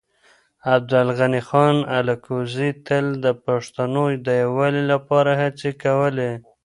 عبدالغني خان الکوزی تل د پښتنو د يووالي لپاره هڅې کولې.